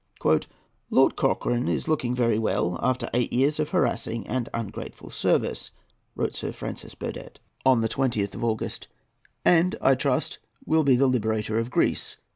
"Lord Cochrane is looking very well, after eight years of harassing and ungrateful service," wrote Sir Francis Burdett on the 20th of August, "and, I trust, will be the liberator of Greece.